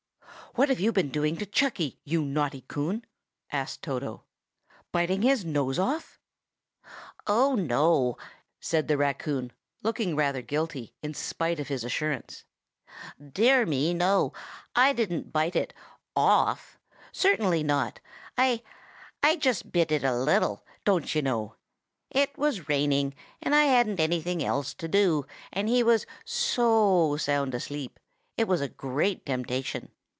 "What have you been doing to Chucky, you naughty Coon?" asked Toto. "Biting his nose off?" "Oh, no!" said the raccoon, looking rather guilty, in spite of his assurance. "Dear me, no! I didn't bite it off. Certainly not! I—I just bit it a little, don't you know! it was raining, and I hadn't anything else to do; and he was so sound asleep, it was a great temptation.